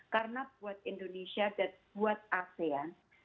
karena buat indonesia dan buat asean